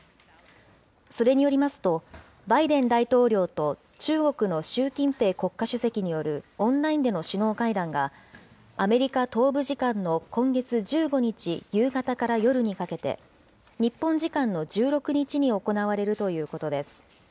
それによりますと、バイデン大統領と中国の習近平国家主席によるオンラインでの首脳会談が、アメリカ東部時間の今月１５日夕方から夜にかけて、日本時間の１６日に行われるということです。